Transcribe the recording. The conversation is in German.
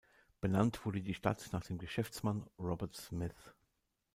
Benannt wurde die Stadt nach dem Geschäftsmann Robert Smith.